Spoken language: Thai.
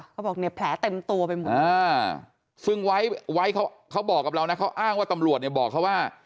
เขาบอกเนี่ยแผลเต็มตัวไปหมดซึ่งไว้ไว้เขาบอกกับเรานะเขาอ้างว่าตำรวจเนี่ยบอกเขาว่า